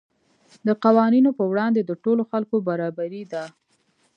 د قوانینو په وړاندې د ټولو خلکو برابري ده.